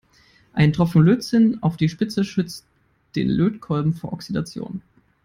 Ein Tropfen Lötzinn auf die Spitze schützt den Lötkolben vor Oxidation.